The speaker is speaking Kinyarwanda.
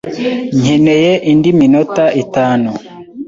Nkeneye indi minota itanu.